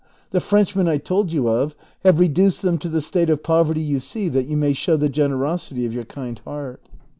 The Frenchmen I told you of have reduced them to the state of poverty you see that you may show the generosity of your kind heart."